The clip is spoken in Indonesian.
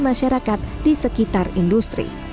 masyarakat di sekitar industri